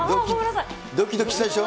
どきどきしたでしょう？